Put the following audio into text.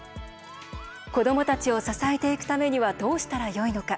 子どもたちを支えていくためにはどうしたらよいのか。